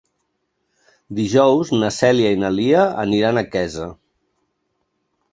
Dijous na Cèlia i na Lia aniran a Quesa.